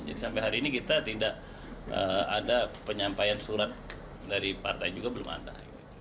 sampai hari ini kita tidak ada penyampaian surat dari partai juga belum ada